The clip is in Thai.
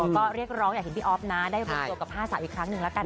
ก็เรียกร้องอยากเห็นพี่อ๊อฟนะได้รวมตัวกับ๕สาวอีกครั้งหนึ่งแล้วกัน